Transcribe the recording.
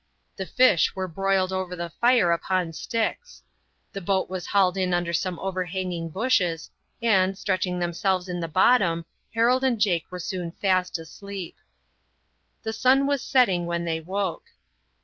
The fish were broiled over the fire upon sticks. The boat was hauled in under some overhanging bushes, and, stretching themselves in the bottom, Harold and Jake were soon fast asleep. The sun was setting when they woke.